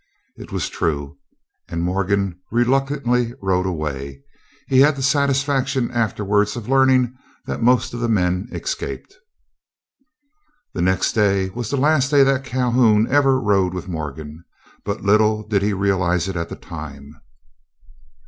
It was true, and Morgan reluctantly rode away. He had the satisfaction afterwards of learning that most of the men escaped. The next day was the last day that Calhoun ever rode with Morgan, but little did he realize it at the time.